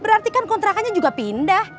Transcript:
berarti kan kontrakannya juga pindah